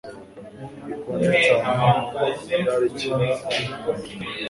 bikonje cyane irarikira ubumuntu